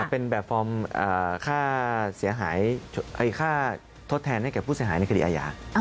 เป็นแบบฟอร์มค่าเสียหายค่าทดแทนให้กับผู้เสียหายในคดีอาญา